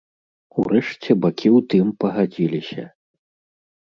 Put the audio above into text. Урэшце бакі ў тым пагадзіліся.